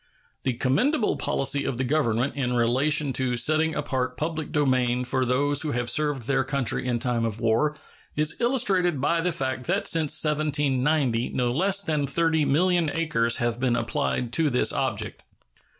The commendable policy of the Government in relation to setting apart public domain for those who have served their country in time of war is illustrated by the fact that since 1790 no less than 30,000,000 acres have been applied to this object.